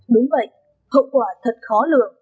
đúng vậy hậu quả thật khó lừa